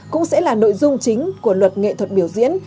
cũng sẽ là nội dung chính của luật nghệ thuật biểu diễn